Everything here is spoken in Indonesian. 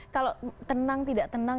kalau tenang tidak tenang